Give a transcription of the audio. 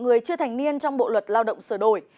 người chưa thành niên trong bộ luật lao động sửa đổi